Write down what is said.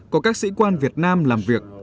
có các sĩ quan việt nam làm việc